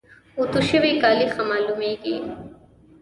اوتو شوي کالي ښه معلوميږي.